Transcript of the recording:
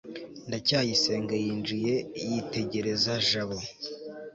ndacyayisenga yinjiye yitegereza jabo